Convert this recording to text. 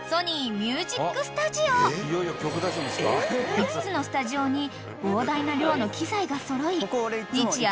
［５つのスタジオに膨大な量の機材が揃い日夜